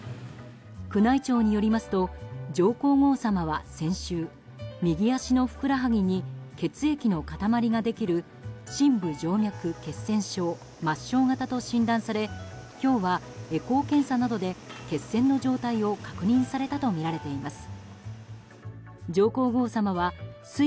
宮内庁によりますと上皇后さまは先週右足のふくらはぎに血液の塊ができる深部静脈血栓症末しょう型と診断され今日はエコー検査などで血栓の状態を確認されたとみられています。